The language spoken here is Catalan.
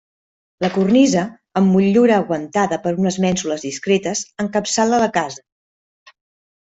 La cornisa, amb motllura aguantada per unes mènsules discretes, encapçala la casa.